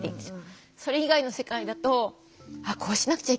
それ以外の世界だと「ああこうしなくちゃいけない」